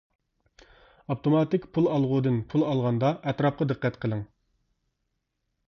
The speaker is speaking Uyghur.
ئاپتوماتىك پۇل ئالغۇدىن پۇل ئالغاندا ئەتراپقا دىققەت قىلىڭ.